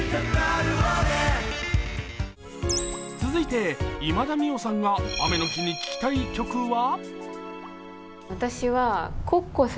続いて今田美桜さんが雨の日に聴きたい曲は？